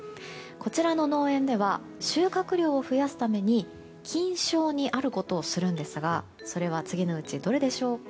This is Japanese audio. こちらの農園では収穫量を増やすために菌床にあることをするんですがそれは次のうちどれでしょうか。